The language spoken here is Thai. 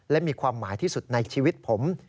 และมีความหมายที่สุดในชีวิตผม